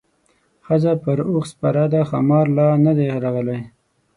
ښځه پر اوښ سپره ده ښامار لا نه دی راغلی.